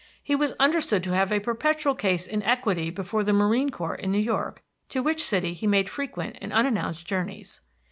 He was understood to have a perpetual case in equity before the Marine Court in New York, to which city he made frequent and unannounced journeys.